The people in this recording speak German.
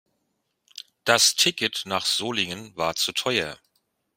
Das Ticket nach Solingen war zu teuer